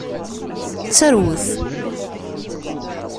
Serwet.